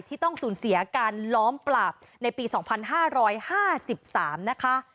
ต้องสูญเสียการล้อมปราบในปี๒๕๕๓นะคะ